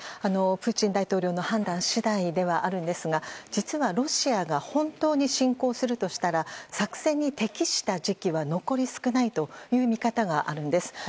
プーチン大統領の判断次第ではありますが実はロシアが本当に侵攻するとしたら作戦に適した時期は残り少ないという見方があります。